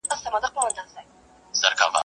o بلا پر بلا واوښته، بلا بوڅ کوني را واوښته.